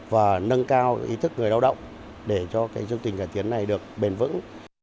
và nâng cao ý thức người lao động để cho chương trình cải tiến này được bền vững